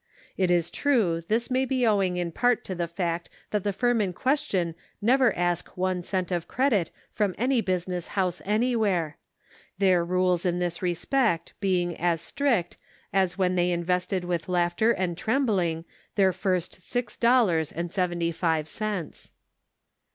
It is true this may be owing in part to the fact that the firm in question never ask one cent of credit from any business house anywhere ; their rules in this respect being as strict as when they invested with laughter and trembling their first six dollars and seventy five cents.